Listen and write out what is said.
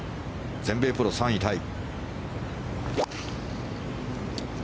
全米プロ３位タイ。